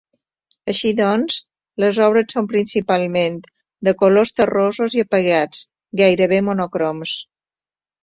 Així doncs, les obres són principalment de colors terrosos i apagats, gairebé monocroms.